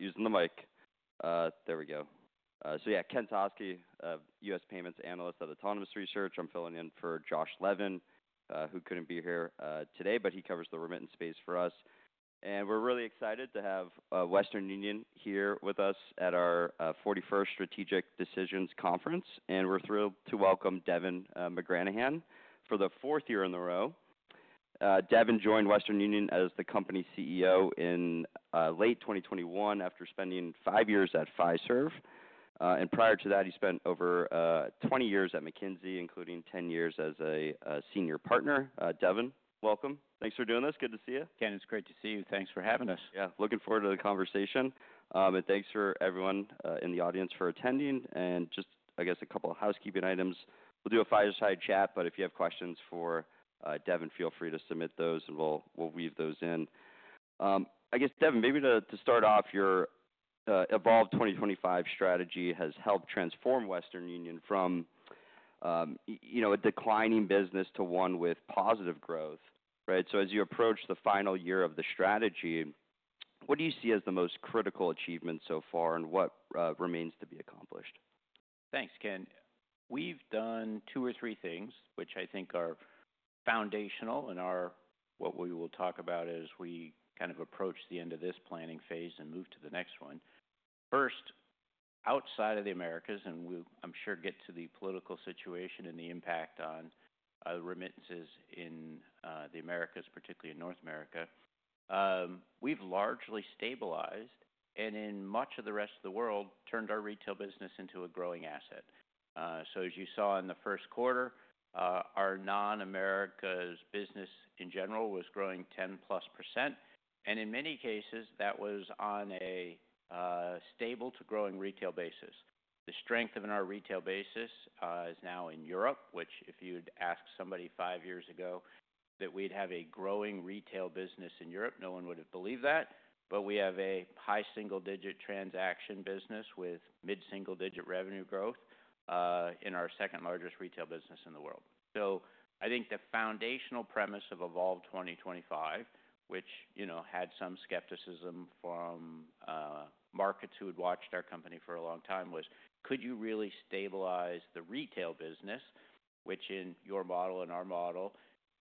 Using the mic. There we go. So yeah, Kent Toskey, US Payments Analyst at Autonomous Research. I'm filling in for Josh Levin, who couldn't be here today, but he covers the remittance space for us. And we're really excited to have Western Union here with us at our 41st Strategic Decisions Conference. We're thrilled to welcome Devin McGranahan for the fourth year in a row. Devin joined Western Union as the company CEO in late 2021 after spending five years at Pfizer. Prior to that, he spent over 20 years at McKinsey, including 10 years as a senior partner. Devin, welcome. Thanks for doing this. Good to see you. Kent, it's great to see you. Thanks for having us. Yeah, looking forward to the conversation, and thanks for everyone in the audience for attending. Just, I guess, a couple of housekeeping items. We'll do a fireside chat, but if you have questions for Devin, feel free to submit those and we'll weave those in. I guess, Devin, maybe to start off, your Evolve 2025 strategy has helped transform Western Union from, you know, a declining business to one with positive growth, right? As you approach the final year of the strategy, what do you see as the most critical achievement so far and what remains to be accomplished? Thanks, Kent. We've done two or three things, which I think are foundational in our what we will talk about as we kind of approach the end of this planning phase and move to the next one. First, outside of the Americas, and we'll, I'm sure, get to the political situation and the impact on, remittances in, the Americas, particularly in North America, we've largely stabilized and in much of the rest of the world, turned our retail business into a growing asset. As you saw in the first quarter, our non-Americas business in general was growing 10% plus. In many cases, that was on a stable to growing retail basis. The strength of our retail basis is now in Europe, which if you'd asked somebody five years ago that we'd have a growing retail business in Europe, no one would have believed that. We have a high single-digit transaction business with mid-single-digit revenue growth, in our second-largest retail business in the world. I think the foundational premise of Evolve 2025, which, you know, had some skepticism from markets who had watched our company for a long time, was, could you really stabilize the retail business, which in your model and our model,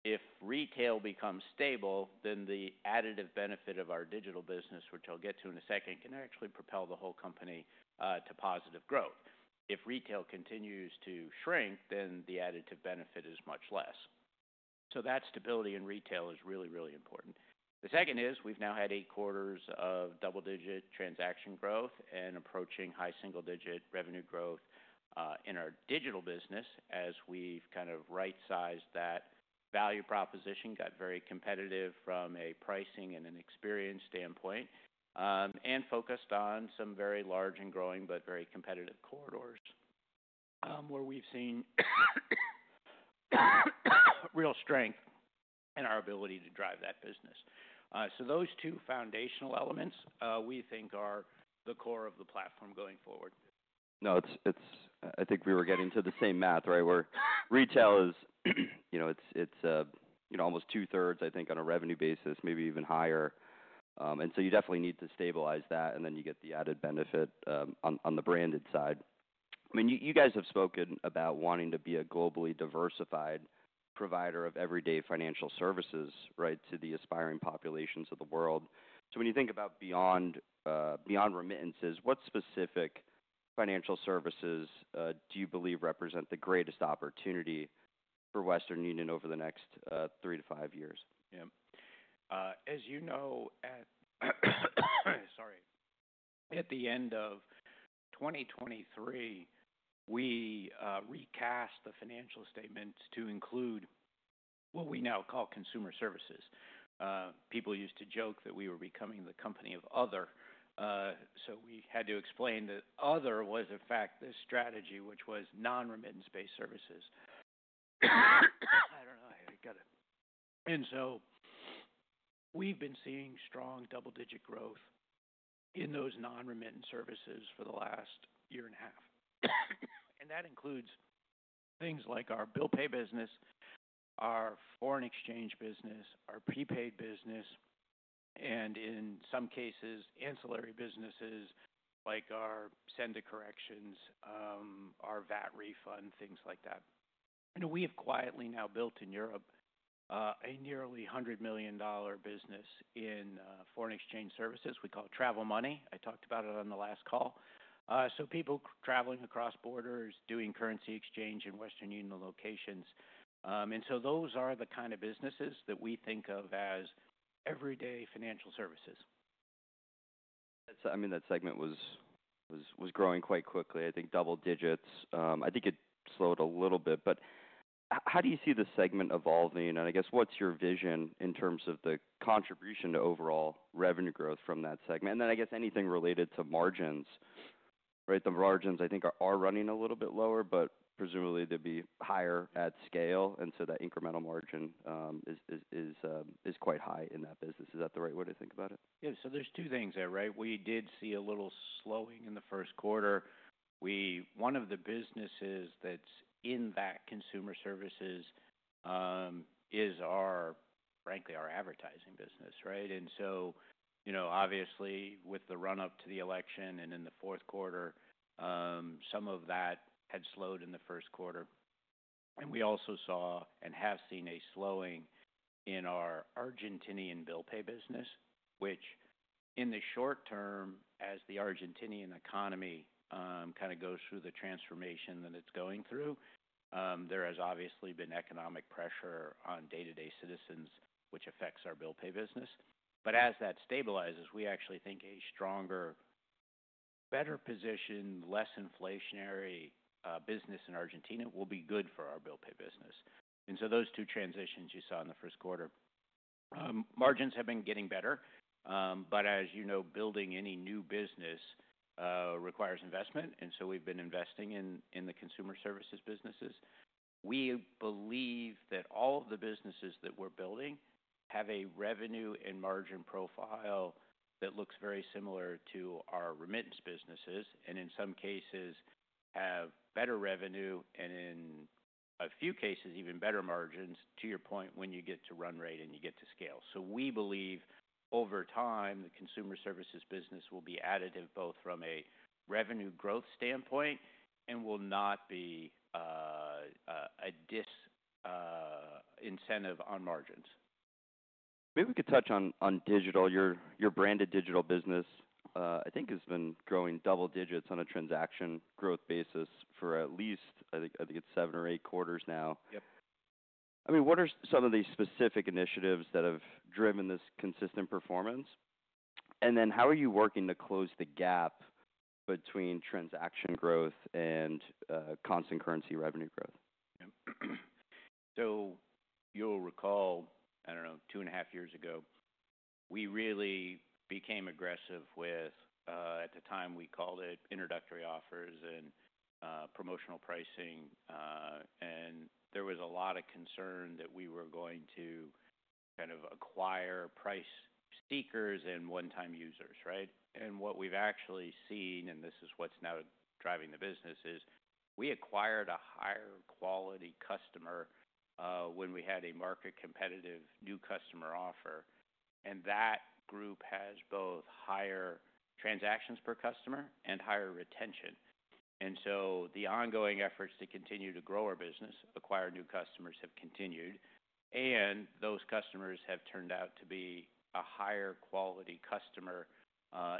if retail becomes stable, then the additive benefit of our digital business, which I'll get to in a second, can actually propel the whole company to positive growth. If retail continues to shrink, then the additive benefit is much less. That stability in retail is really, really important. The second is we've now had eight quarters of double-digit transaction growth and approaching high single-digit revenue growth, in our digital business as we've kind of right-sized that value proposition, got very competitive from a pricing and an experience standpoint, and focused on some very large and growing but very competitive corridors, where we've seen real strength in our ability to drive that business. Those two foundational elements, we think are the core of the platform going forward. No, it's, it's I think we were getting to the same math, right, where retail is, you know, it's, it's, you know, almost two-thirds, I think, on a revenue basis, maybe even higher. You definitely need to stabilize that, and then you get the added benefit, on, on the branded side. I mean, you, you guys have spoken about wanting to be a globally diversified provider of everyday financial services, right, to the aspiring populations of the world. When you think about beyond, beyond remittances, what specific financial services do you believe represent the greatest opportunity for Western Union over the next three to five years? Yeah. As you know, at the end of 2023, we recast the financial statements to include what we now call consumer services. People used to joke that we were becoming the company of other. We had to explain that other was, in fact, this strategy, which was non-remittance-based services. I do not know. I got to, and we have been seeing strong double-digit growth in those non-remittance services for the last year and a half. That includes things like our bill pay business, our foreign exchange business, our prepaid business, and in some cases, ancillary businesses like our send-a-corrections, our VAT refund, things like that. We have quietly now built in Europe a nearly $100 million business in foreign exchange services. We call it travel money. I talked about it on the last call. People traveling across borders, doing currency exchange in Western Union locations. and so those are the kind of businesses that we think of as everyday financial services. I mean, that segment was growing quite quickly. I think double digits. I think it slowed a little bit. How do you see the segment evolving? I guess what's your vision in terms of the contribution to overall revenue growth from that segment? I guess anything related to margins, right? The margins, I think, are running a little bit lower, but presumably they'd be higher at scale. That incremental margin is quite high in that business. Is that the right way to think about it? Yeah. So there are two things there, right? We did see a little slowing in the first quarter. One of the businesses that's in that consumer services is our, frankly, our advertising business, right? And so, you know, obviously, with the run-up to the election and in the fourth quarter, some of that had slowed in the first quarter. We also saw and have seen a slowing in our Argentinian bill pay business, which in the short term, as the Argentinian economy kind of goes through the transformation that it's going through, there has obviously been economic pressure on day-to-day citizens, which affects our bill pay business. As that stabilizes, we actually think a stronger, better positioned, less inflationary business in Argentina will be good for our bill pay business. Those two transitions you saw in the first quarter. Margins have been getting better. As you know, building any new business requires investment. And so we've been investing in the consumer services businesses. We believe that all of the businesses that we're building have a revenue and margin profile that looks very similar to our remittance businesses and in some cases have better revenue and in a few cases, even better margins to your point when you get to run rate and you get to scale. We believe over time, the consumer services business will be additive both from a revenue growth standpoint and will not be a disincentive on margins. Maybe we could touch on, on digital. Your, your Branded Digital Business, I think has been growing double digits on a transaction growth basis for at least, I think, I think it is seven or eight quarters now. Yep. I mean, what are some of the specific initiatives that have driven this consistent performance? And then how are you working to close the gap between transaction growth and constant currency revenue growth? Yeah. You'll recall, I don't know, two and a half years ago, we really became aggressive with, at the time, we called it introductory offers and promotional pricing. There was a lot of concern that we were going to kind of acquire price seekers and one-time users, right? What we've actually seen, and this is what's now driving the business, is we acquired a higher quality customer when we had a market-competitive new customer offer. That group has both higher transactions per customer and higher retention. The ongoing efforts to continue to grow our business, acquire new customers, have continued. Those customers have turned out to be a higher quality customer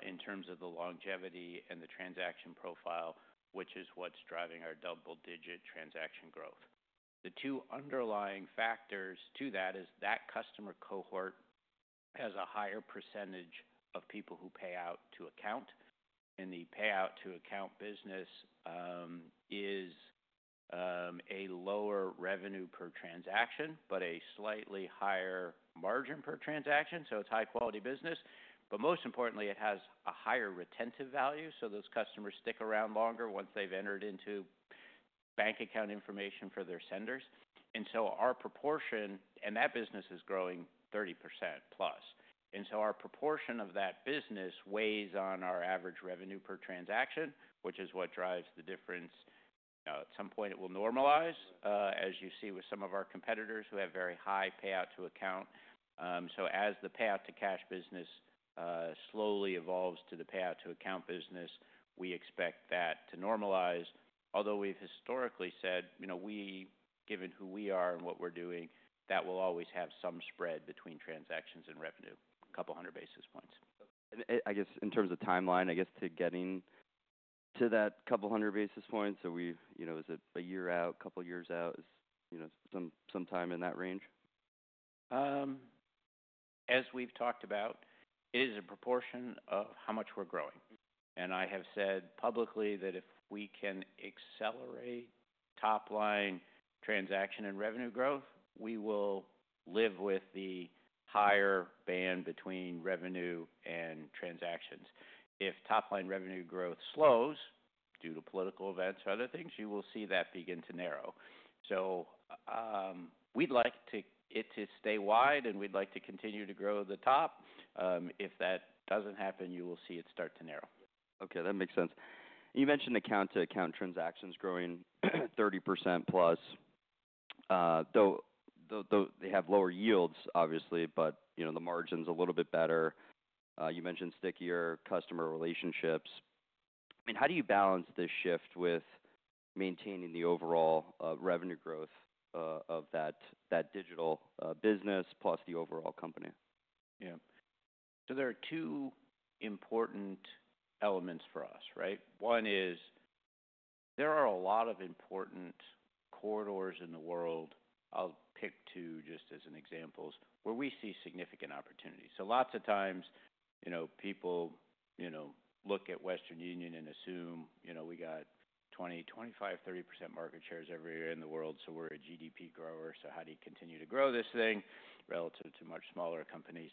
in terms of the longevity and the transaction profile, which is what's driving our double-digit transaction growth. The two underlying factors to that is that customer cohort has a higher percentage of people who pay out to account. The pay out to account business is a lower revenue per transaction but a slightly higher margin per transaction. It is high-quality business. Most importantly, it has a higher retentive value. Those customers stick around longer once they have entered into bank account information for their senders. Our proportion in that business is growing 30% plus. Our proportion of that business weighs on our average revenue per transaction, which is what drives the difference. At some point, it will normalize, as you see with some of our competitors who have very high pay out to account. As the pay out to cash business slowly evolves to the pay out to account business, we expect that to normalize. Although we've historically said, you know, we, given who we are and what we're doing, that will always have some spread between transactions and revenue, a couple hundred basis points. Okay. And I guess in terms of timeline, I guess to getting to that couple hundred basis points, are we, you know, is it a year out, couple years out? Is, you know, some time in that range? As we've talked about, it is a proportion of how much we're growing. I have said publicly that if we can accelerate top-line transaction and revenue growth, we will live with the higher band between revenue and transactions. If top-line revenue growth slows due to political events or other things, you will see that begin to narrow. We'd like it to stay wide, and we'd like to continue to grow the top. If that doesn't happen, you will see it start to narrow. Okay. That makes sense. You mentioned account-to-account transactions growing 30% plus. Though they have lower yields, obviously, but, you know, the margin's a little bit better. You mentioned stickier customer relationships. I mean, how do you balance this shift with maintaining the overall revenue growth of that digital business plus the overall company? Yeah. So there are two important elements for us, right? One is there are a lot of important corridors in the world, I'll pick two just as examples, where we see significant opportunities. Lots of times, you know, people, you know, look at Western Union and assume, you know, we got 20%, 25%, 30% market shares everywhere in the world. We're a GDP grower. How do you continue to grow this thing relative to much smaller companies?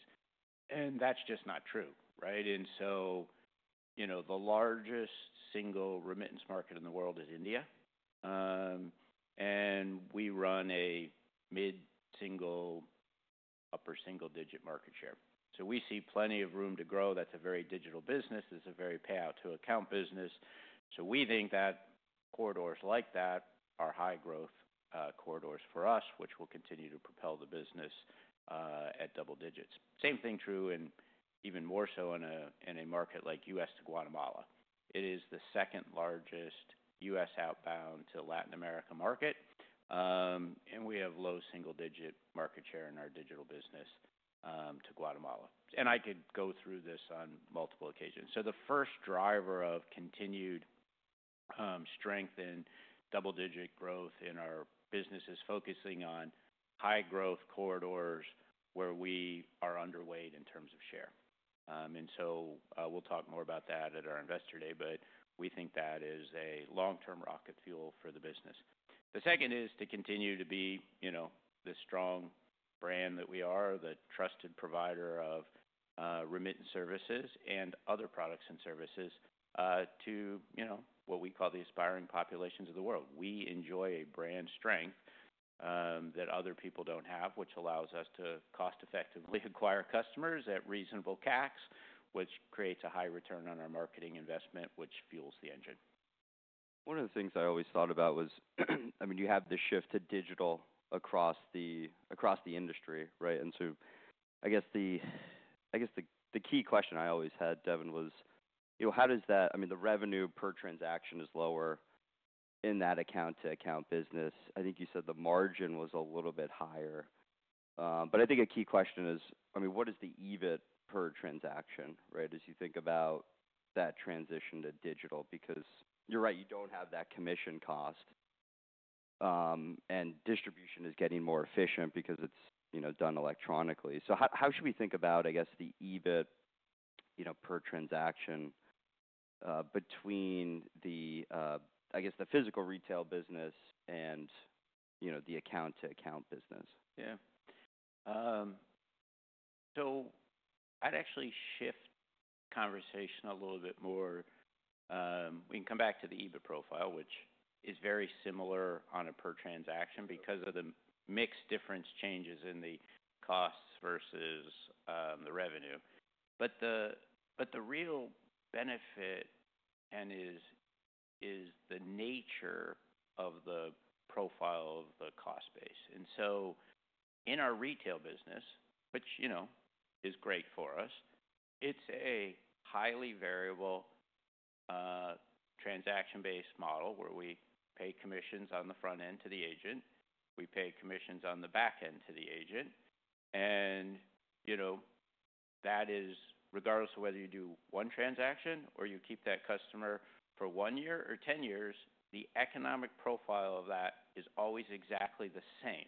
That's just not true, right? The largest single remittance market in the world is India, and we run a mid-single, upper single-digit market share. We see plenty of room to grow. That's a very digital business. It's a very pay out to account business. We think that corridors like that are high-growth corridors for us, which will continue to propel the business at double digits. Same thing true and even more so in a market like U.S. to Guatemala. It is the second-largest U.S. outbound to Latin America market, and we have low single-digit market share in our digital business to Guatemala. I could go through this on multiple occasions. The first driver of continued strength in double-digit growth in our business is focusing on high-growth corridors where we are underweight in terms of share. We will talk more about that at our investor day, but we think that is a long-term rocket fuel for the business. The second is to continue to be, you know, the strong brand that we are, the trusted provider of, remittance services and other products and services, to, you know, what we call the aspiring populations of the world. We enjoy a brand strength, that other people do not have, which allows us to cost-effectively acquire customers at reasonable CACs, which creates a high return on our marketing investment, which fuels the engine. One of the things I always thought about was, I mean, you have this shift to digital across the industry, right? I guess the key question I always had, Devin, was, you know, how does that, I mean, the revenue per transaction is lower in that account-to-account business. I think you said the margin was a little bit higher. I think a key question is, I mean, what is the EBIT per transaction, right, as you think about that transition to digital? Because you're right. You don't have that commission cost, and distribution is getting more efficient because it's, you know, done electronically. How should we think about, I guess, the EBIT, you know, per transaction, between the, I guess, the physical retail business and, you know, the account-to-account business? Yeah. I'd actually shift the conversation a little bit more. We can come back to the EBIT profile, which is very similar on a per transaction because of the mix difference changes in the costs versus the revenue. The real benefit is the nature of the profile of the cost base. In our retail business, which, you know, is great for us, it's a highly variable, transaction-based model where we pay commissions on the front end to the agent. We pay commissions on the back end to the agent. You know, that is, regardless of whether you do one transaction or you keep that customer for one year or 10 years, the economic profile of that is always exactly the same.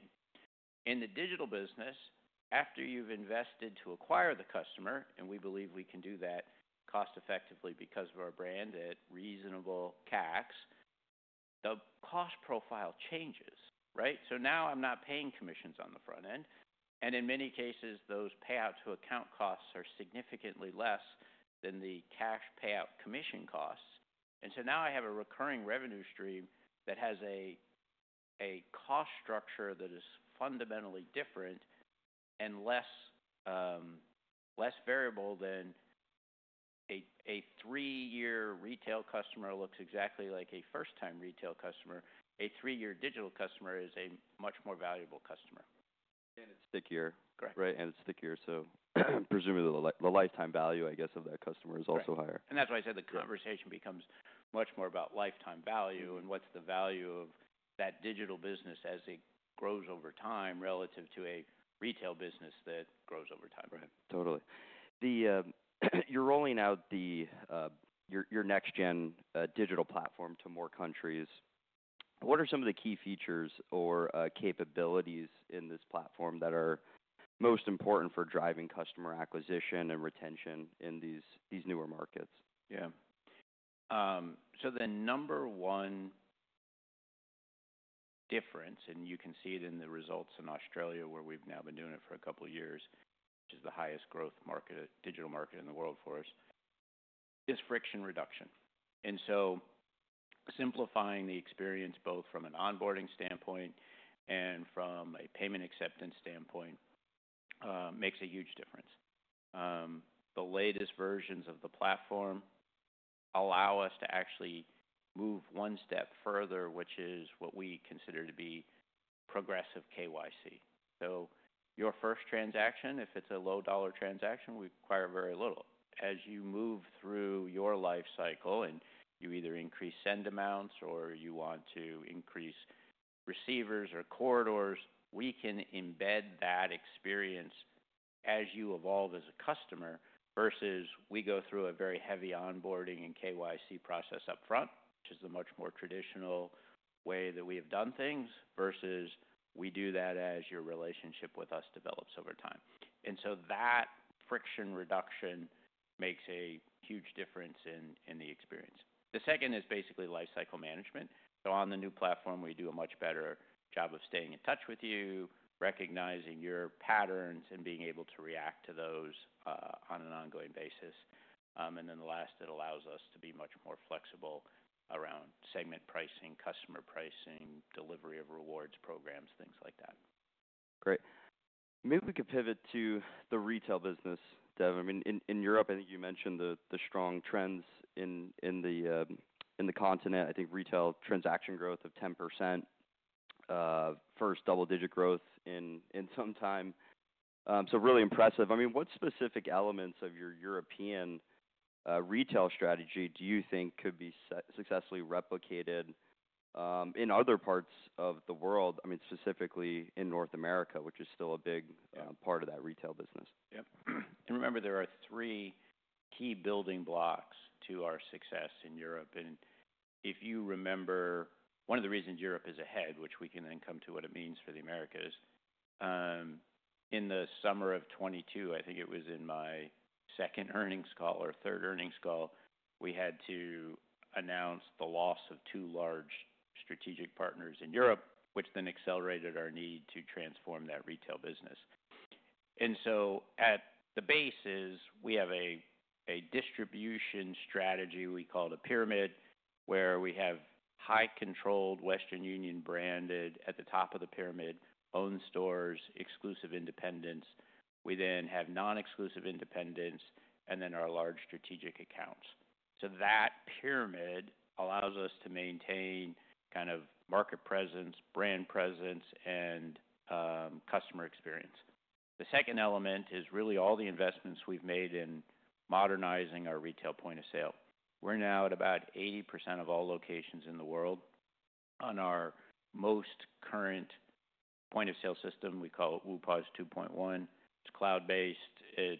In the digital business, after you've invested to acquire the customer, and we believe we can do that cost-effectively because of our brand at reasonable CACs, the cost profile changes, right? Now I'm not paying commissions on the front end. In many cases, those payout-to-account costs are significantly less than the cash payout commission costs. Now I have a recurring revenue stream that has a cost structure that is fundamentally different and less variable than a three-year retail customer looks exactly like a first-time retail customer. A three-year digital customer is a much more valuable customer. It's stickier. Correct. Right? And it's stickier. So presumably, the lifetime value, I guess, of that customer is also higher. That's why I said the conversation becomes much more about lifetime value and what's the value of that digital business as it grows over time relative to a retail business that grows over time. Right. Totally. You're rolling out your next-gen digital platform to more countries. What are some of the key features or capabilities in this platform that are most important for driving customer acquisition and retention in these newer markets? Yeah. The number one difference, and you can see it in the results in Australia where we've now been doing it for a couple of years, which is the highest growth digital market in the world for us, is friction reduction. Simplifying the experience both from an onboarding standpoint and from a payment acceptance standpoint makes a huge difference. The latest versions of the platform allow us to actually move one step further, which is what we consider to be progressive KYC. Your first transaction, if it's a low-dollar transaction, we acquire very little. As you move through your life cycle and you either increase send amounts or you want to increase receivers or corridors, we can embed that experience as you evolve as a customer versus we go through a very heavy onboarding and KYC process upfront, which is the much more traditional way that we have done things versus we do that as your relationship with us develops over time. That friction reduction makes a huge difference in the experience. The second is basically life cycle management. On the new platform, we do a much better job of staying in touch with you, recognizing your patterns, and being able to react to those on an ongoing basis. The last, it allows us to be much more flexible around segment pricing, customer pricing, delivery of rewards programs, things like that. Great. Maybe we could pivot to the retail business, Devin. I mean, in Europe, I think you mentioned the strong trends in the continent. I think retail transaction growth of 10%, first double-digit growth in some time. Really impressive. I mean, what specific elements of your European retail strategy do you think could be successfully replicated in other parts of the world? I mean, specifically in North America, which is still a big part of that retail business. Yeah. Remember, there are three key building blocks to our success in Europe. If you remember, one of the reasons Europe is ahead, which we can then come to what it means for the Americas, in the summer of 2022, I think it was in my second earnings call or third earnings call, we had to announce the loss of two large strategic partners in Europe, which then accelerated our need to transform that retail business. At the bases, we have a distribution strategy we call the pyramid where we have high-controlled Western Union branded at the top of the pyramid, own stores, exclusive independents. We then have non-exclusive independents and then our large strategic accounts. That pyramid allows us to maintain kind of market presence, brand presence, and customer experience. The second element is really all the investments we have made in modernizing our retail point of sale. We are now at about 80% of all locations in the world on our most current point of sale system, we call it Wu Pa's 2.1. It is cloud-based. It is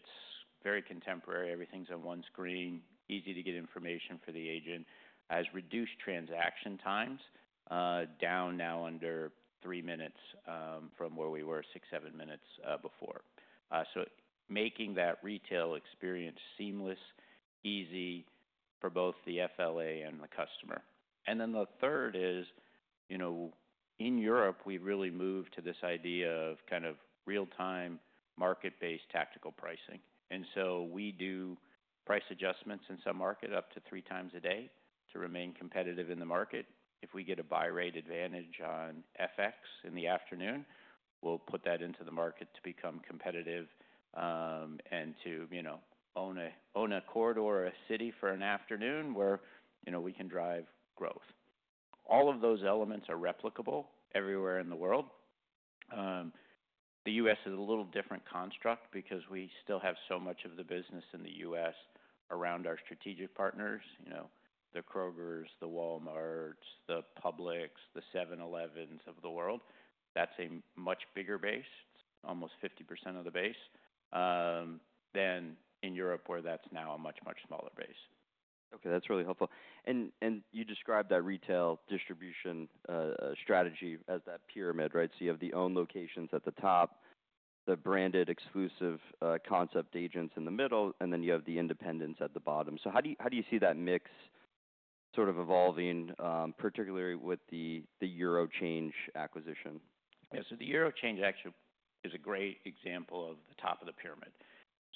very contemporary. Everything is on one screen, easy to get information for the agent. Has reduced transaction times, down now under three minutes, from where we were six, seven minutes before. Making that retail experience seamless, easy for both the FLA and the customer. The third is, you know, in Europe, we have really moved to this idea of kind of real-time market-based tactical pricing. We do price adjustments in some market up to three times a day to remain competitive in the market. If we get a buy rate advantage on FX in the afternoon, we'll put that into the market to become competitive, and to, you know, own a corridor or a city for an afternoon where, you know, we can drive growth. All of those elements are replicable everywhere in the world. The U.S. is a little different construct because we still have so much of the business in the U.S. around our strategic partners, you know, the Krogers, the Walmarts, the Publix, the 7-Elevens of the world. That's a much bigger base, almost 50% of the base, than in Europe where that's now a much, much smaller base. Okay. That's really helpful. You described that retail distribution strategy as that pyramid, right? You have the owned locations at the top, the branded exclusive concept agents in the middle, and then you have the independents at the bottom. How do you see that mix sort of evolving, particularly with the Eurochange acquisition? Yeah. So the Eurochange actually is a great example of the top of the pyramid.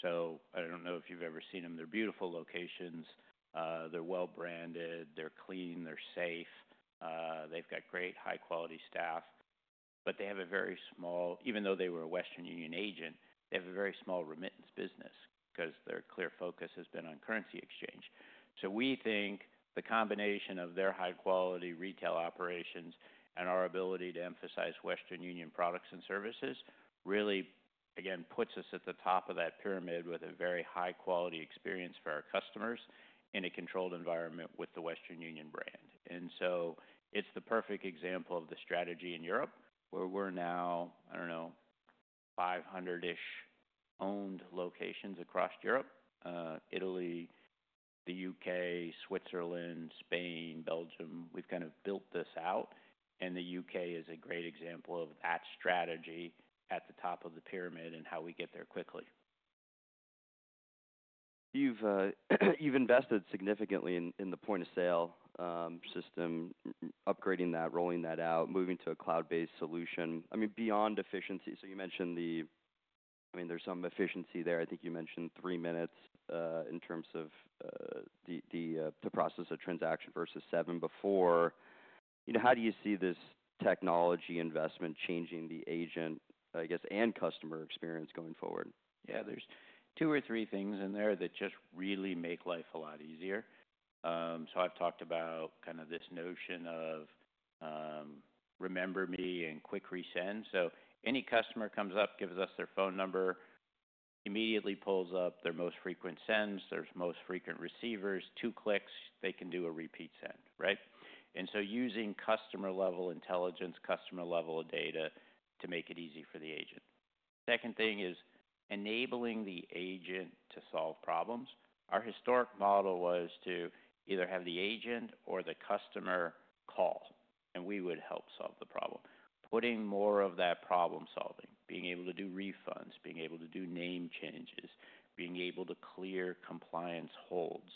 I do not know if you have ever seen them. They are beautiful locations. They are well-branded. They are clean. They are safe. They have got great high-quality staff. They have a very small, even though they were a Western Union agent, they have a very small remittance business because their clear focus has been on currency exchange. We think the combination of their high-quality retail operations and our ability to emphasize Western Union products and services really, again, puts us at the top of that pyramid with a very high-quality experience for our customers in a controlled environment with the Western Union brand. It is the perfect example of the strategy in Europe where we are now, I do not know, 500-ish owned locations across Europe, Italy, the U.K., Switzerland, Spain, Belgium. We have kind of built this out. The U.K. is a great example of that strategy at the top of the pyramid and how we get there quickly. You've invested significantly in the point of sale system, upgrading that, rolling that out, moving to a cloud-based solution. I mean, beyond efficiency, you mentioned the, I mean, there's some efficiency there. I think you mentioned three minutes, in terms of the, to process a transaction versus seven before. You know, how do you see this technology investment changing the agent, I guess, and customer experience going forward? Yeah. There are two or three things in there that just really make life a lot easier. I have talked about kind of this notion of, remember me and quick resend. Any customer comes up, gives us their phone number, immediately pulls up their most frequent sends, their most frequent receivers, two clicks, they can do a repeat send, right? Using customer-level intelligence, customer-level data to make it easy for the agent. Second thing is enabling the agent to solve problems. Our historic model was to either have the agent or the customer call, and we would help solve the problem. Putting more of that problem-solving, being able to do refunds, being able to do name changes, being able to clear compliance holds,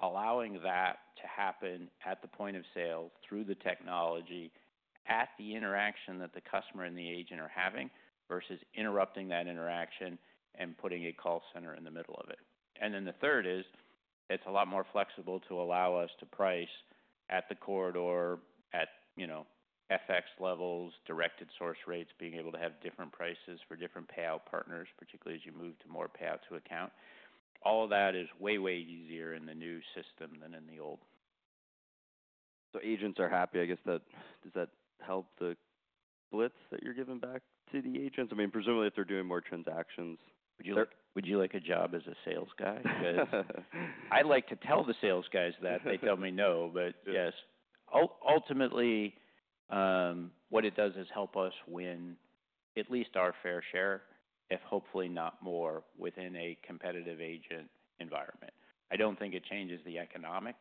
allowing that to happen at the point of sale through the technology at the interaction that the customer and the agent are having versus interrupting that interaction and putting a call center in the middle of it. The third is it's a lot more flexible to allow us to price at the corridor, at, you know, FX levels, directed source rates, being able to have different prices for different payout partners, particularly as you move to more payout to account. All of that is way, way easier in the new system than in the old. Agents are happy. I guess that does that help the splits that you're giving back to the agents? I mean, presumably if they're doing more transactions. Would you like a job as a sales guy? Because I like to tell the sales guys that. They tell me no, but yes. Ultimately, what it does is help us win at least our fair share, if hopefully not more within a competitive agent environment. I do not think it changes the economics,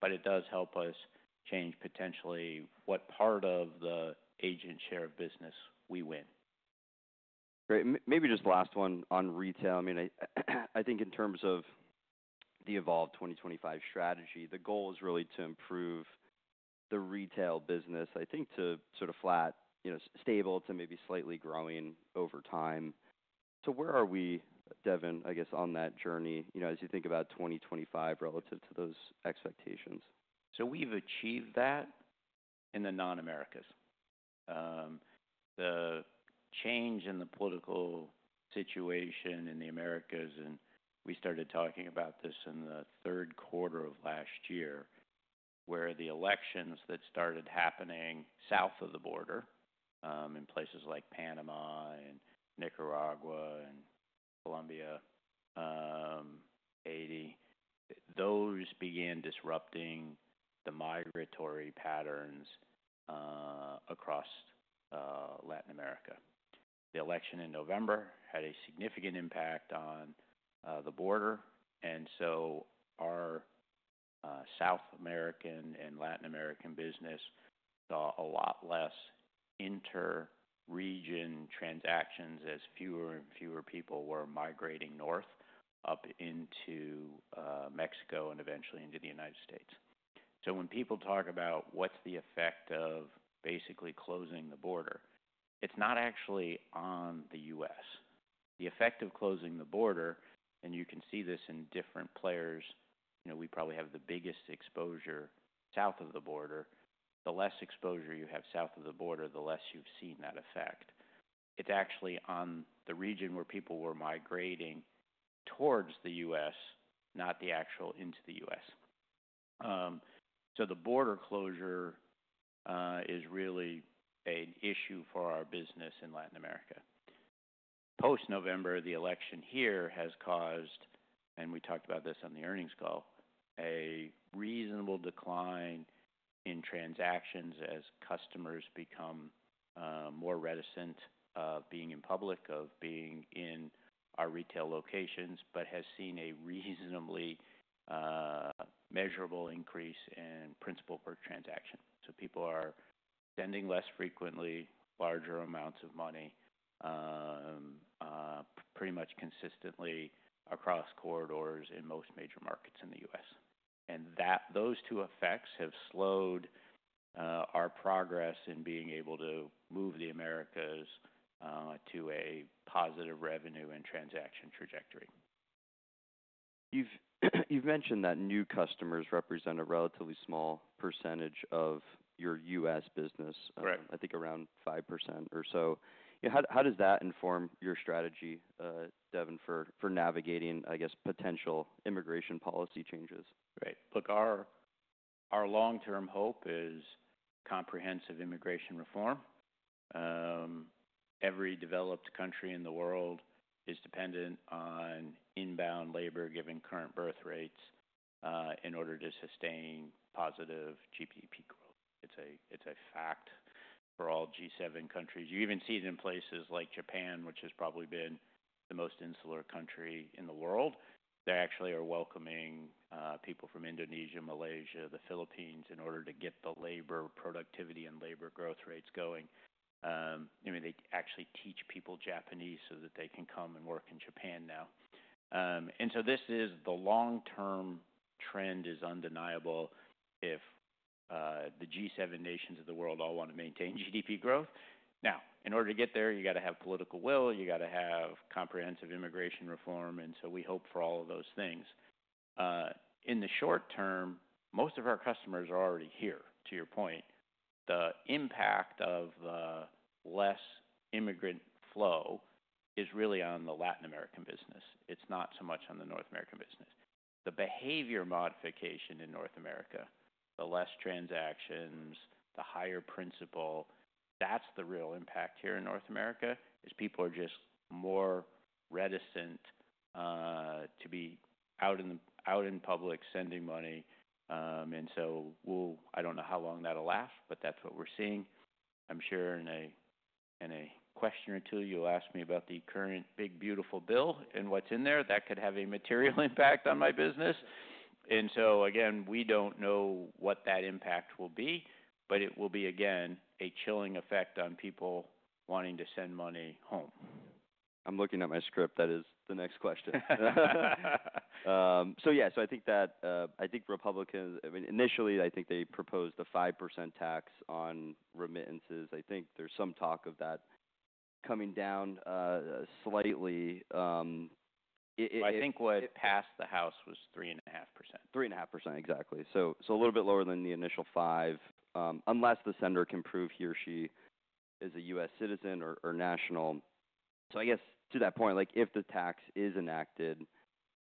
but it does help us change potentially what part of the agent share of business we win. Great. Maybe just last one on retail. I mean, I think in terms of the Evolve 2025 strategy, the goal is really to improve the retail business, I think to sort of flat, you know, stable to maybe slightly growing over time. Where are we, Devin, I guess, on that journey, you know, as you think about 2025 relative to those expectations? We've achieved that in the non-Americas. The change in the political situation in the Americas, and we started talking about this in the third quarter of last year where the elections that started happening south of the border, in places like Panama and Nicaragua and Colombia, Haiti, those began disrupting the migratory patterns across Latin America. The election in November had a significant impact on the border. Our South American and Latin American business saw a lot less inter-region transactions as fewer and fewer people were migrating north up into Mexico and eventually into the United States. When people talk about what's the effect of basically closing the border, it's not actually on the U.S. The effect of closing the border, and you can see this in different players, you know, we probably have the biggest exposure south of the border. The less exposure you have south of the border, the less you've seen that effect. It's actually on the region where people were migrating towards the U.S., not the actual into the U.S. The border closure is really an issue for our business in Latin America. Post-November, the election here has caused, and we talked about this on the earnings call, a reasonable decline in transactions as customers become more reticent of being in public, of being in our retail locations, but has seen a reasonably measurable increase in principal per transaction. People are sending less frequently, larger amounts of money, pretty much consistently across corridors in most major markets in the U.S. Those two effects have slowed our progress in being able to move the Americas to a positive revenue and transaction trajectory. You've mentioned that new customers represent a relatively small percentage of your U.S. business. Right. I think around 5% or so. Yeah. How does that inform your strategy, Devin, for navigating, I guess, potential immigration policy changes? Right. Look, our long-term hope is comprehensive immigration reform. Every developed country in the world is dependent on inbound labor given current birth rates, in order to sustain positive GDP growth. It's a fact for all G7 countries. You even see it in places like Japan, which has probably been the most insular country in the world. They actually are welcoming people from Indonesia, Malaysia, the Philippines in order to get the labor productivity and labor growth rates going. I mean, they actually teach people Japanese so that they can come and work in Japan now. This is the long-term trend, it is undeniable if the G7 nations of the world all want to maintain GDP growth. Now, in order to get there, you got to have political will. You got to have comprehensive immigration reform. We hope for all of those things. In the short term, most of our customers are already here, to your point. The impact of the less immigrant flow is really on the Latin American business. It is not so much on the North American business. The behavior modification in North America, the less transactions, the higher principal, that is the real impact here in North America is people are just more reticent to be out in public sending money. I do not know how long that will last, but that is what we are seeing. I am sure in a question or two, you will ask me about the current big, beautiful bill and what is in there that could have a material impact on my business. Again, we do not know what that impact will be, but it will be, again, a chilling effect on people wanting to send money home. I'm looking at my script. That is the next question. Yeah. I think Republicans, I mean, initially, I think they proposed the 5% tax on remittances. I think there's some talk of that coming down slightly. I think what passed the House was 3.5%. Three and a half percent, exactly. A little bit lower than the initial five, unless the sender can prove he or she is a U.S. citizen or national. I guess to that point, if the tax is enacted,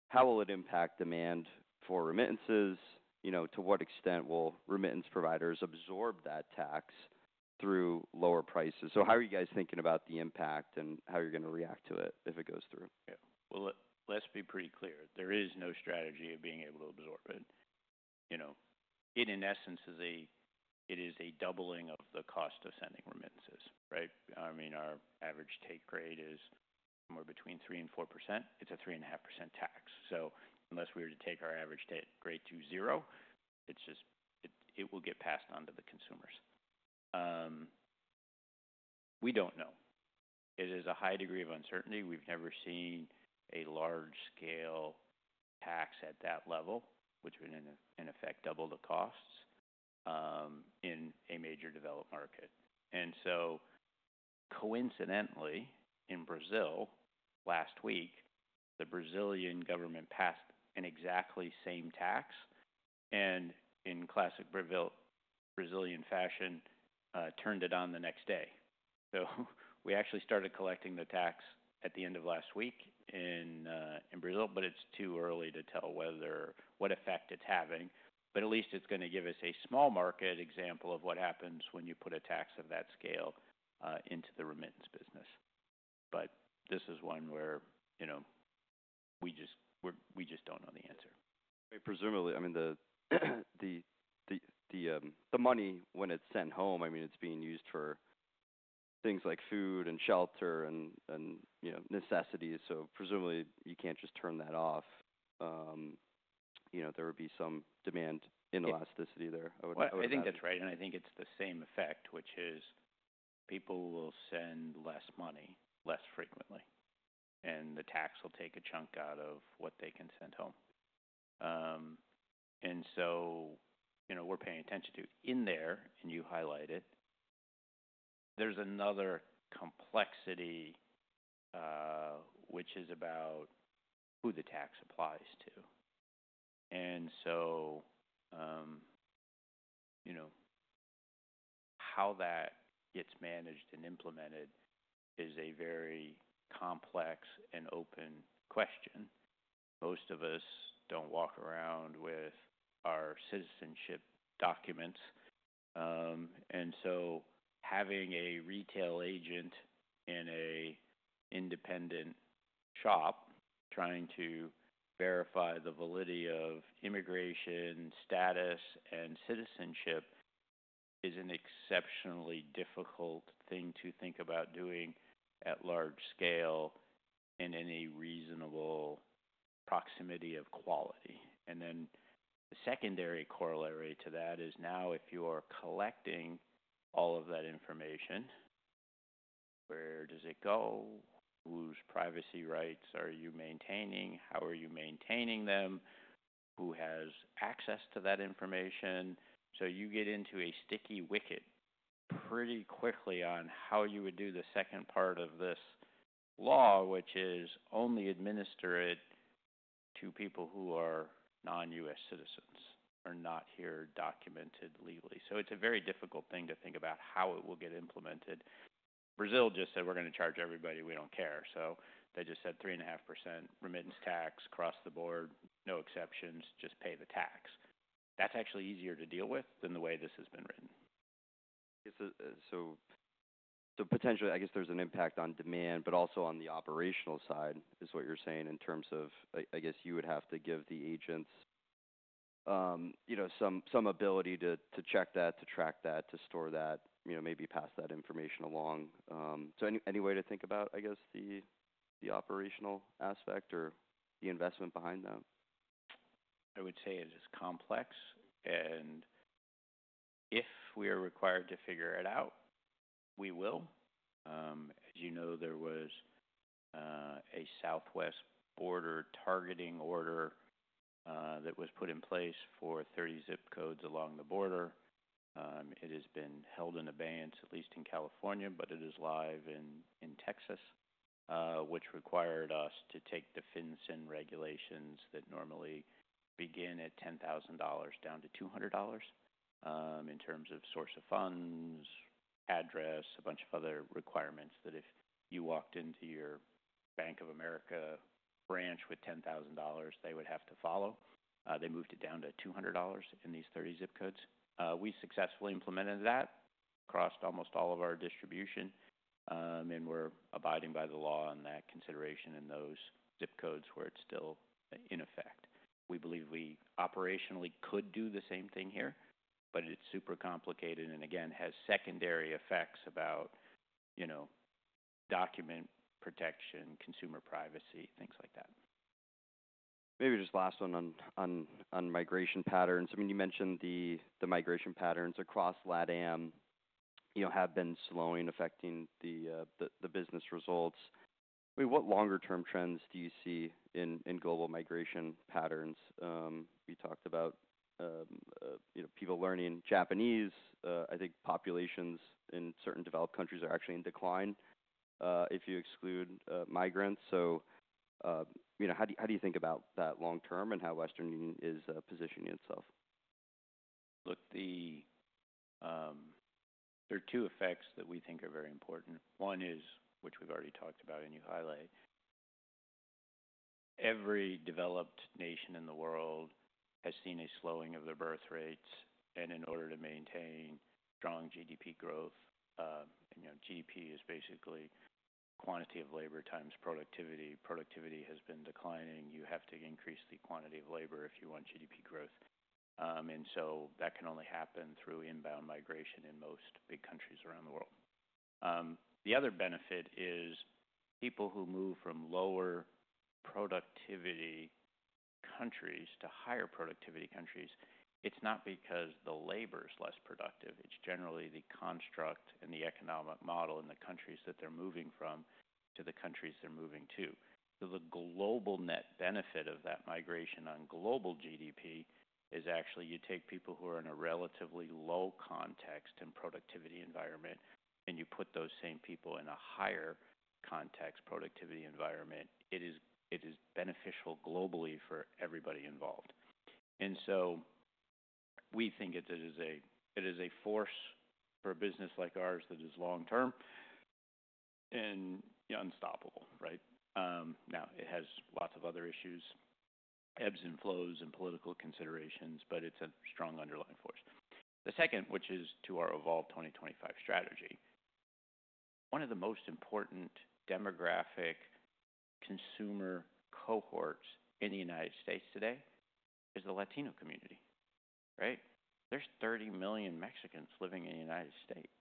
how will it impact demand for remittances? To what extent will remittance providers absorb that tax through lower prices? How are you guys thinking about the impact and how you're going to react to it if it goes through? Yeah. Let's be pretty clear. There is no strategy of being able to absorb it. You know, it in essence is a, it is a doubling of the cost of sending remittances, right? I mean, our average take rate is somewhere between 3% and 4%. It's a 3.5% tax. So unless we were to take our average take rate to zero, it will get passed on to the consumers. We don't know. It is a high degree of uncertainty. We've never seen a large-scale tax at that level, which would in effect double the costs, in a major developed market. Coincidentally, in Brazil, last week, the Brazilian government passed an exactly same tax and in classic Brazil, Brazilian fashion, turned it on the next day. We actually started collecting the tax at the end of last week in Brazil, but it is too early to tell what effect it is having. At least it is going to give us a small market example of what happens when you put a tax of that scale into the remittance business. This is one where, you know, we just do not know the answer. I mean, presumably, I mean, the money when it's sent home, I mean, it's being used for things like food and shelter and, you know, necessities. Presumably you can't just turn that off. You know, there would be some demand inelasticity there. I would, I would. I think that's right. I think it's the same effect, which is people will send less money less frequently, and the tax will take a chunk out of what they can send home. You know, we're paying attention to in there, and you highlight it, there's another complexity, which is about who the tax applies to. You know, how that gets managed and implemented is a very complex and open question. Most of us do not walk around with our citizenship documents. Having a retail agent in an independent shop trying to verify the validity of immigration status and citizenship is an exceptionally difficult thing to think about doing at large scale in any reasonable proximity of quality. The secondary corollary to that is now if you are collecting all of that information, where does it go? Whose privacy rights are you maintaining? How are you maintaining them? Who has access to that information? You get into a sticky wicket pretty quickly on how you would do the second part of this law, which is only administer it to people who are non-U.S. citizens or not here documented legally. It is a very difficult thing to think about how it will get implemented. Brazil just said, "We're going to charge everybody. We do not care." They just said 3.5% remittance tax across the board, no exceptions, just pay the tax. That is actually easier to deal with than the way this has been written. It's a, so potentially, I guess there's an impact on demand, but also on the operational side is what you're saying in terms of, I guess you would have to give the agents, you know, some ability to check that, to track that, to store that, you know, maybe pass that information along. So any way to think about, I guess, the operational aspect or the investment behind that? I would say it is complex. And if we are required to figure it out, we will. As you know, there was a Southwest border targeting order that was put in place for 30 ZIP codes along the border. It has been held in abeyance, at least in California, but it is live in Texas, which required us to take the FinCEN regulations that normally begin at $10,000 down to $200, in terms of source of funds, address, a bunch of other requirements that if you walked into your Bank of America branch with $10,000, they would have to follow. They moved it down to $200 in these 30 ZIP codes. We successfully implemented that across almost all of our distribution, and we are abiding by the law on that consideration in those ZIP codes where it is still in effect. We believe we operationally could do the same thing here, but it's super complicated and again, has secondary effects about, you know, document protection, consumer privacy, things like that. Maybe just last one on migration patterns. I mean, you mentioned the migration patterns across LATAM, you know, have been slowing, affecting the business results. I mean, what longer-term trends do you see in global migration patterns? We talked about, you know, people learning Japanese. I think populations in certain developed countries are actually in decline, if you exclude migrants. So, you know, how do you think about that long-term and how Western Union is positioning itself? Look, there are two effects that we think are very important. One is, which we've already talked about and you highlight, every developed nation in the world has seen a slowing of their birth rates. In order to maintain strong GDP growth, you know, GDP is basically quantity of labor times productivity. Productivity has been declining. You have to increase the quantity of labor if you want GDP growth. That can only happen through inbound migration in most big countries around the world. The other benefit is people who move from lower productivity countries to higher productivity countries. It's not because the labor's less productive. It's generally the construct and the economic model in the countries that they're moving from to the countries they're moving to. The global net benefit of that migration on global GDP is actually you take people who are in a relatively low context and productivity environment and you put those same people in a higher context productivity environment. It is beneficial globally for everybody involved. We think it is a force for a business like ours that is long-term and, you know, unstoppable, right? Now it has lots of other issues, ebbs and flows and political considerations, but it is a strong underlying force. The second, which is to our Evolve 2025 strategy, one of the most important demographic consumer cohorts in the United States today is the Latino community, right? There are 30 million Mexicans living in the United States,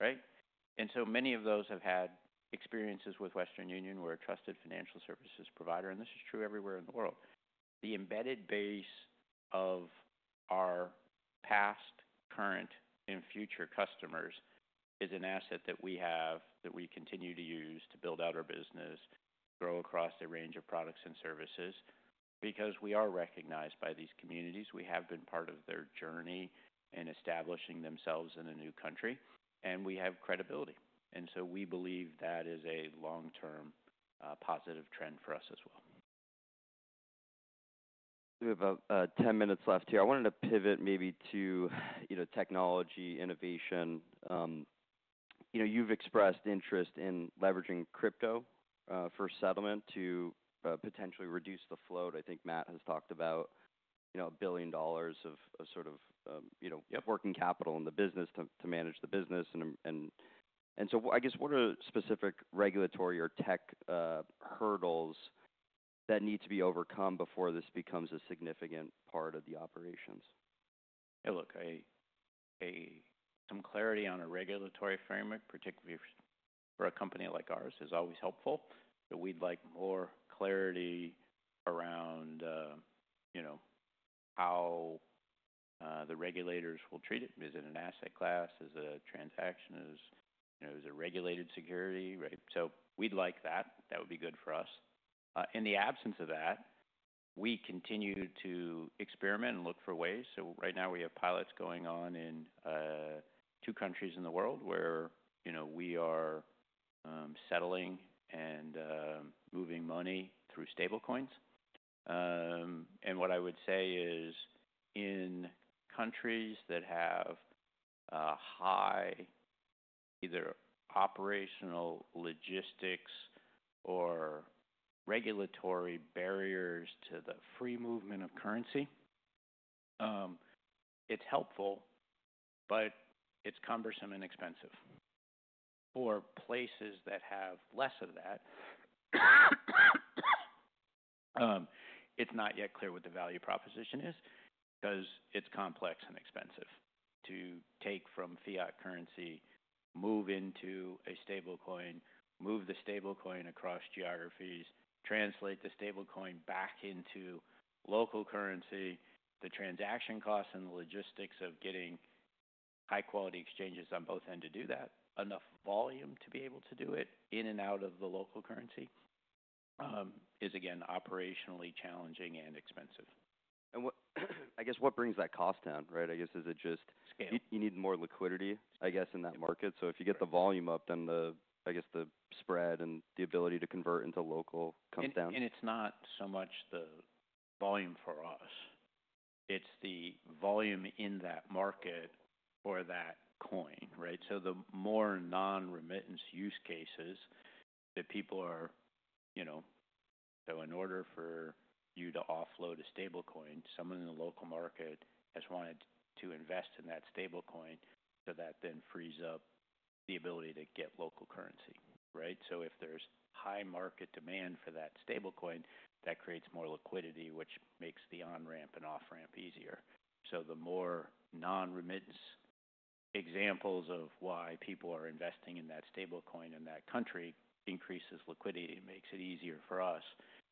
right? Many of those have had experiences with Western Union, we're a trusted financial services provider, and this is true everywhere in the world. The embedded base of our past, current, and future customers is an asset that we have that we continue to use to build out our business, grow across a range of products and services. Because we are recognized by these communities, we have been part of their journey in establishing themselves in a new country, and we have credibility. We believe that is a long-term, positive trend for us as well. We have about 10 minutes left here. I wanted to pivot maybe to, you know, technology innovation. You know, you've expressed interest in leveraging crypto for settlement to potentially reduce the float. I think Matt has talked about, you know, a billion dollars of, of sort of, you know, working capital in the business to manage the business. And so I guess what are specific regulatory or tech hurdles that need to be overcome before this becomes a significant part of the operations? Yeah. Look, some clarity on a regulatory framework, particularly for a company like ours, is always helpful. We'd like more clarity around, you know, how the regulators will treat it. Is it an asset class? Is it a transaction? Is it a regulated security, right? We'd like that. That would be good for us. In the absence of that, we continue to experiment and look for ways. Right now we have pilots going on in two countries in the world where, you know, we are settling and moving money through stablecoins. What I would say is in countries that have high either operational logistics or regulatory barriers to the free movement of currency, it's helpful, but it's cumbersome and expensive. For places that have less of that, it's not yet clear what the value proposition is because it's complex and expensive to take from fiat currency, move into a stablecoin, move the stablecoin across geographies, translate the stablecoin back into local currency. The transaction costs and the logistics of getting high-quality exchanges on both ends to do that, enough volume to be able to do it in and out of the local currency, is again, operationally challenging and expensive. What, I guess, what brings that cost down, right? I guess is it just. Scale. You need more liquidity, I guess, in that market. If you get the volume up, then the, I guess, the spread and the ability to convert into local comes down. It's not so much the volume for us. It's the volume in that market for that coin, right? The more non-remittance use cases that people are, you know, so in order for you to offload a stablecoin, someone in the local market has wanted to invest in that stablecoin so that then frees up the ability to get local currency, right? If there's high market demand for that stablecoin, that creates more liquidity, which makes the on-ramp and off-ramp easier. The more non-remittance examples of why people are investing in that stablecoin in that country increases liquidity and makes it easier for us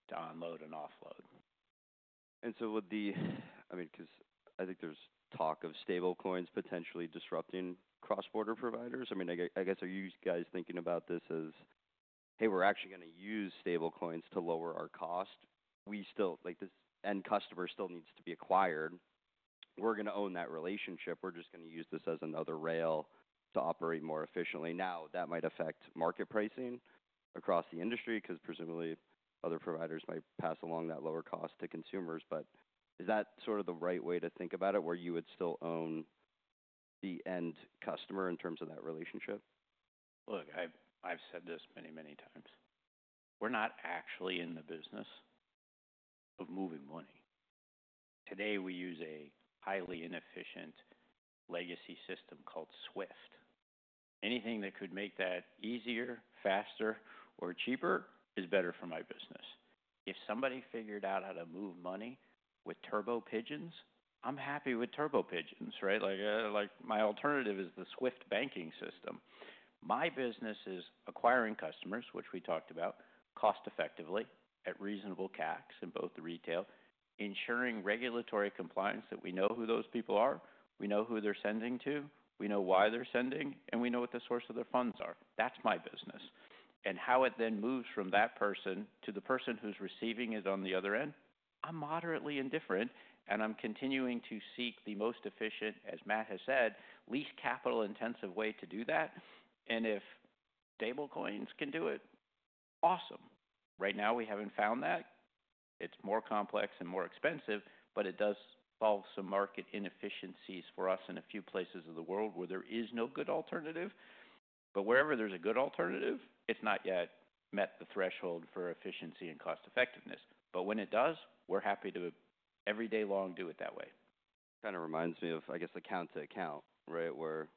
to unload and offload. Would the, I mean, because I think there's talk of stablecoins potentially disrupting cross-border providers. I mean, I guess, are you guys thinking about this as, "Hey, we're actually going to use stablecoins to lower our cost." We still, like this, end customer still needs to be acquired. We're going to own that relationship. We're just going to use this as another rail to operate more efficiently. That might affect market pricing across the industry because presumably other providers might pass along that lower cost to consumers. Is that sort of the right way to think about it where you would still own the end customer in terms of that relationship? Look, I've said this many, many times. We're not actually in the business of moving money. Today we use a highly inefficient legacy system called SWIFT. Anything that could make that easier, faster, or cheaper is better for my business. If somebody figured out how to move money with Turbo Pigeons, I'm happy with Turbo Pigeons, right? Like, my alternative is the SWIFT banking system. My business is acquiring customers, which we talked about, cost-effectively at reasonable CACs in both the retail, ensuring regulatory compliance that we know who those people are, we know who they're sending to, we know why they're sending, and we know what the source of their funds are. That's my business. How it then moves from that person to the person who's receiving it on the other end, I'm moderately indifferent, and I'm continuing to seek the most efficient, as Matt has said, least capital-intensive way to do that. If stablecoins can do it, awesome. Right now we haven't found that. It's more complex and more expensive, but it does solve some market inefficiencies for us in a few places of the world where there is no good alternative. Wherever there's a good alternative, it's not yet met the threshold for efficiency and cost-effectiveness. When it does, we're happy to every day long do it that way. Kind of reminds me of, I guess, account-to-account, right, where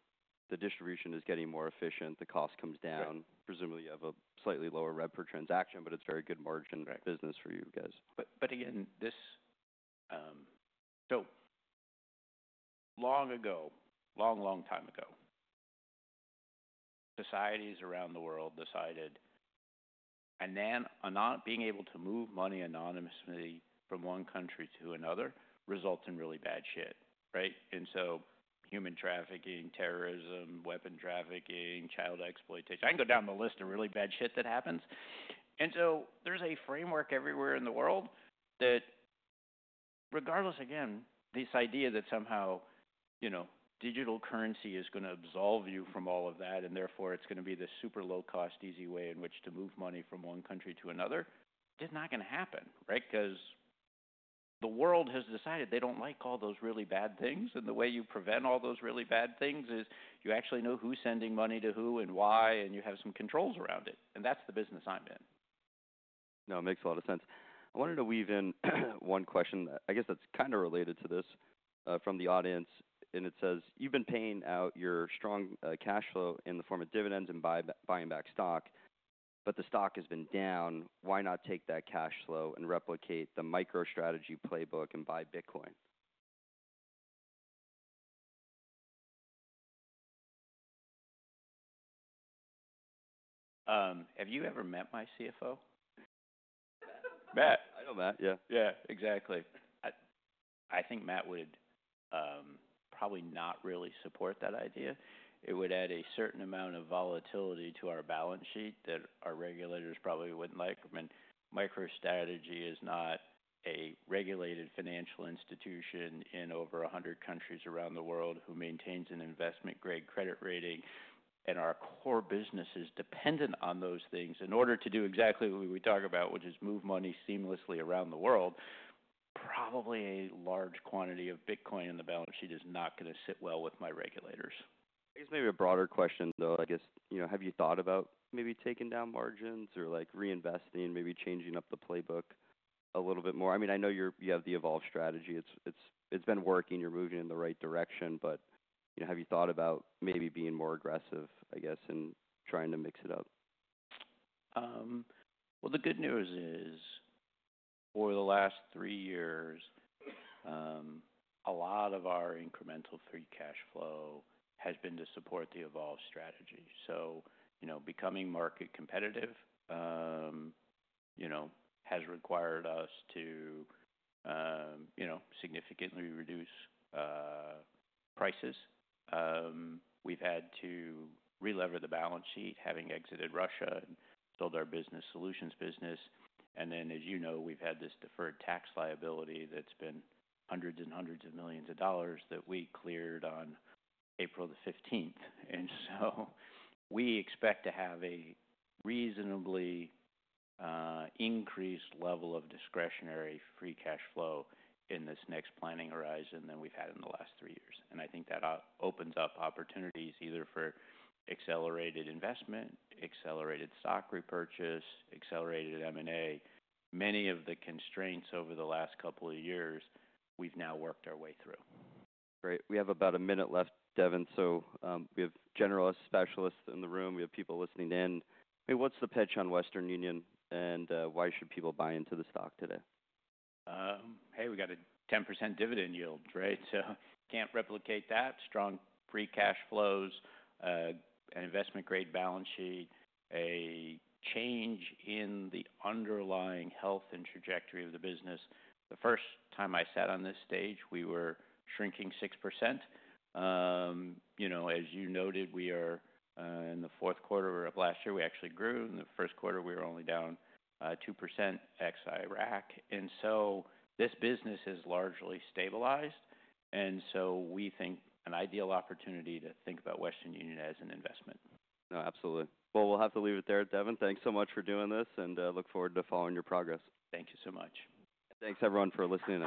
the distribution is getting more efficient, the cost comes down, presumably you have a slightly lower rep per transaction, but it's very good margin business for you guys. Again, this, so long ago, long, long time ago, societies around the world decided an anon—being able to move money anonymously from one country to another results in really bad shit, right? Human trafficking, terrorism, weapon trafficking, child exploitation. I can go down the list of really bad shit that happens. There is a framework everywhere in the world that regardless, again, this idea that somehow, you know, digital currency is going to absolve you from all of that and therefore it is going to be the super low-cost, easy way in which to move money from one country to another is not going to happen, right? The world has decided they do not like all those really bad things. The way you prevent all those really bad things is you actually know who's sending money to who and why, and you have some controls around it. That's the business I'm in. No, it makes a lot of sense. I wanted to weave in one question. I guess that's kind of related to this, from the audience. It says, "You've been paying out your strong cash flow in the form of dividends and buying back stock, but the stock has been down. Why not take that cash flow and replicate the MicroStrategy playbook and buy Bitcoin? Have you ever met my CFO? Matt. I know Matt. Yeah. Yeah. Exactly. I think Matt would probably not really support that idea. It would add a certain amount of volatility to our balance sheet that our regulators probably would not like. I mean, MicroStrategy is not a regulated financial institution in over 100 countries around the world who maintains an investment-grade credit rating. And our core business is dependent on those things. In order to do exactly what we talk about, which is move money seamlessly around the world, probably a large quantity of Bitcoin in the balance sheet is not going to sit well with my regulators. I guess maybe a broader question though, I guess, you know, have you thought about maybe taking down margins or like reinvesting, maybe changing up the playbook a little bit more? I mean, I know you have the Evolve strategy. It's been working. You're moving in the right direction. You know, have you thought about maybe being more aggressive, I guess, in trying to mix it up? The good news is over the last three years, a lot of our incremental free cash flow has been to support the Evolve strategy. You know, becoming market competitive, you know, has required us to, you know, significantly reduce prices. We've had to re-lever the balance sheet, having exited Russia and sold our Business Solutions business. As you know, we've had this deferred tax liability that's been hundreds and hundreds of millions of dollars that we cleared on April the 15th. We expect to have a reasonably increased level of discretionary free cash flow in this next planning horizon than we've had in the last three years. I think that opens up opportunities either for accelerated investment, accelerated stock repurchase, accelerated M&A. Many of the constraints over the last couple of years, we've now worked our way through. Great. We have about a minute left, Devin. We have generalist specialists in the room. We have people listening in. I mean, what's the pitch on Western Union and why should people buy into the stock today? Hey, we got a 10% dividend yield, right? So can't replicate that. Strong free cash flows, an investment-grade balance sheet, a change in the underlying health and trajectory of the business. The first time I sat on this stage, we were shrinking 6%. You know, as you noted, we are, in the fourth quarter of last year, we actually grew. In the first quarter, we were only down 2% ex-IRAC. And so this business has largely stabilized. And so we think an ideal opportunity to think about Western Union as an investment. No, absolutely. We'll have to leave it there, Devin. Thanks so much for doing this, and look forward to following your progress. Thank you so much. Thanks, everyone, for listening.